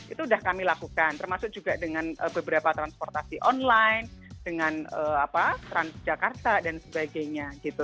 itu sudah kami lakukan termasuk juga dengan beberapa transportasi online dengan transjakarta dan sebagainya gitu